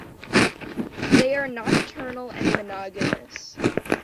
They are nocturnal and monogamous.